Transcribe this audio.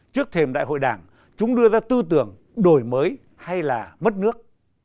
trước thềm đại hội đảng chúng đưa ra tư tưởng đổi mới hay là mất nước